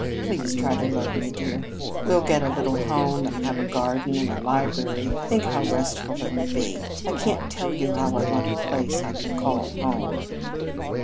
Please try to love me, dear. We'll get a little home and have a garden and a library think how restful it will be. I can't tell you how I want a place I can call home."